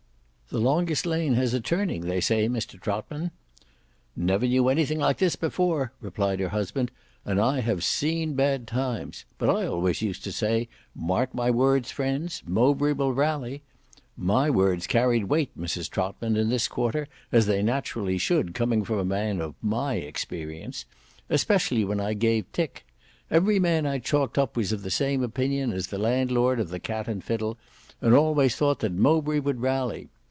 "The longest lane has a turning they say, Mr Trotman." "Never knew anything like this before," replied her husband, "and I have seen bad times: but I always used to say, 'Mark my words friends, Mowbray will rally.' My words carried weight, Mrs Trotman, in this quarter, as they naturally should, coming from a man of my experience,—especially when I gave tick. Every man I chalked up was of the same opinion as the landlord of the Cat and Fiddle, and always thought that Mowbray would rally.